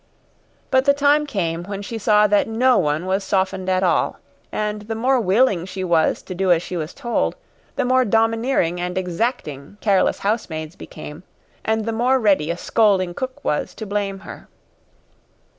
But the time came when she saw that no one was softened at all; and the more willing she was to do as she was told, the more domineering and exacting careless housemaids became, and the more ready a scolding cook was to blame her.